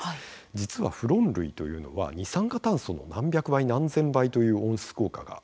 実はフロン類というのは二酸化炭素の何百倍何千倍という温室効果があるんですね。